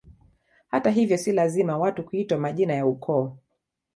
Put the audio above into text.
Hata hivyo si lazima watu kuitwa majina ya ukoo